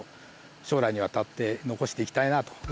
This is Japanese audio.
将来にわたって残していきたいなと。